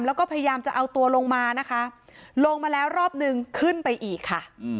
แล้วก็พยายามจะเอาตัวลงมานะคะลงมาแล้วรอบนึงขึ้นไปอีกค่ะ